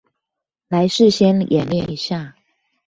來事先演練一下